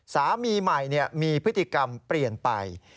สามีใหม่มีพฤติกรรมเปลี่ยนไป